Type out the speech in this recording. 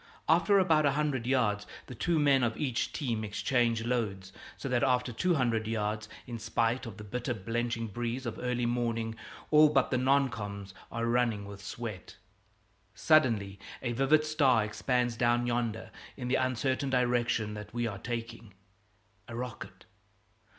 After about a hundred yards, the two men of each team exchange loads, so that after two hundred yards, in spite of the bitter blenching breeze of early morning, all but the non coms. are running with sweat. Suddenly a vivid star expands down yonder in the uncertain direction that we are taking a rocket.